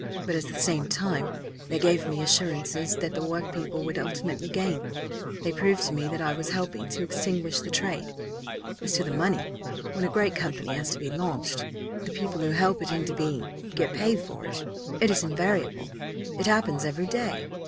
But at the same time they gave me assurances that the workpeople would ultimately gain they proved to me that I was helping to extinguish the trade. As to the money when a great company has to be launched, the people who help it into being get paid for it it is invariable it happens every day.